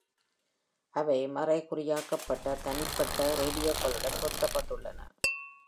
அவை மறைகுறியாக்கப்பட்ட தனிப்பட்ட ரேடியோக்களுடன் பொருத்தப்பட்டுள்ளன.